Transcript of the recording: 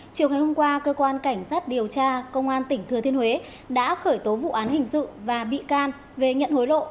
chiều ngày hôm qua cơ quan cảnh sát điều tra công an tỉnh thừa thiên huế đã khởi tố vụ án hình sự và bị can về nhận hối lộ